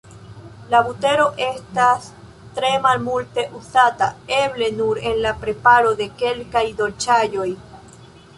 La butero estas tre malmulte uzata, eble nur en la preparo de kelkaj dolĉaĵoj.